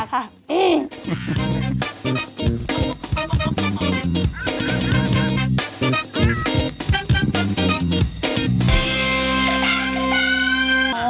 คุณมาก